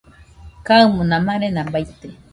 Kaɨmona marena baite